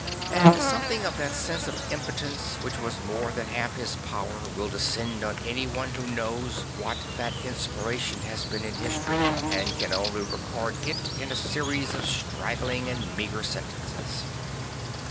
And something of that sense of impotence which was more than half his power will descend on anyone who knows what that inspiration has been in history, and can only record it in a series of straggling and meagre sentences.